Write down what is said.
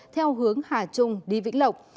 theo hướng hà trung đi vĩnh lộc